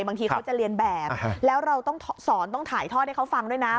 บางทีเขาจะเรียนแบบแล้วเราต้องสอนต้องถ่ายทอดให้เขาฟังด้วยนะ